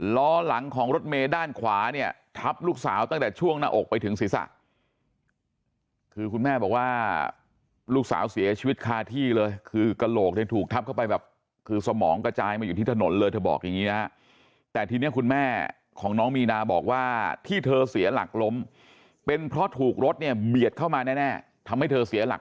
ล้อหลังของรถเมย์ด้านขวาเนี่ยทับลูกสาวตั้งแต่ช่วงหน้าอกไปถึงศีรษะคือคุณแม่บอกว่าลูกสาวเสียชีวิตคาที่เลยคือกระโหลกเนี่ยถูกทับเข้าไปแบบคือสมองกระจายมาอยู่ที่ถนนเลยเธอบอกอย่างนี้นะฮะแต่ทีนี้คุณแม่ของน้องมีนาบอกว่าที่เธอเสียหลักล้มเป็นเพราะถูกรถเนี่ยเบียดเข้ามาแน่ทำให้เธอเสียหลัก